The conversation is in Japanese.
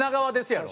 やろ。